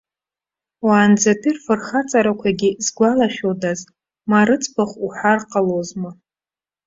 Уаанӡатәи рфырхаҵарақәагьы згәалашәодаз, ма рыӡбахә уҳәар ҟалозма!